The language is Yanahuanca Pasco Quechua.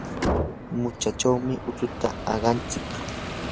muchkachawmi utsuta aqanchik.